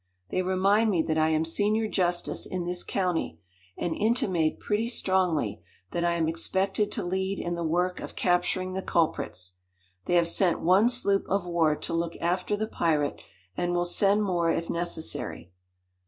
They remind me that I am senior justice in this county, and intimate pretty strongly that I am expected to lead in the work of capturing the culprits. They have sent one sloop of war to look after the pirate and will send more if necessary.